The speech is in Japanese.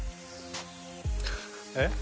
えっ？